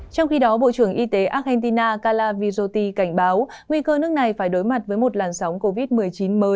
trong khi đó bộ trưởng y tế argentina kala vyjoti cảnh báo nguy cơ nước này phải đối mặt với một làn sóng covid một mươi chín mới